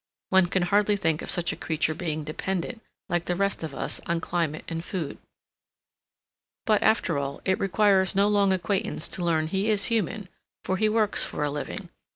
One can hardly think of such a creature being dependent, like the rest of us, on climate and food. But, after all, it requires no long acquaintance to learn he is human, for he works for a living.